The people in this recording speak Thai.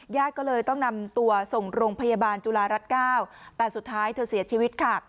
ญาติก็เลยต้องนำตัวส่งโรงพยาบาลจุฬารัฐ๙แต่สุดท้ายเธอเสียชีวิตค่ะ